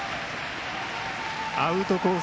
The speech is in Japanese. アウトコース